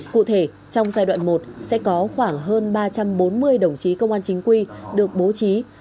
cụ thể trong giai đoạn một sẽ có khoảng hơn ba trăm bốn mươi đồng chí công an chính quy được bố trí